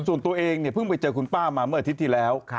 ส่วนตัวเองเนี่ยเพิ่งไปเจอคุณป้ามาเมื่ออาทิตย์ที่แล้ว